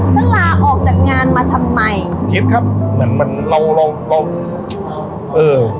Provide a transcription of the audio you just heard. ฉันลาออกจากงานมาทำไมคิดครับเหมือนมันเราเราเออ